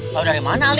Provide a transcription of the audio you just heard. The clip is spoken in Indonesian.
kalau dari mana ali